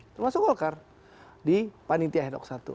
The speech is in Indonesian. termasuk golkar di panitia hedok satu